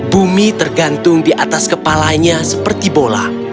bumi tergantung di atas kepalanya seperti bola